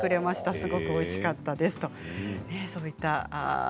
すごくおいしかったです。